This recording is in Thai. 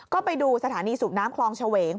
ก็ไปดูสถานีสูบน้ำคลองเฉวง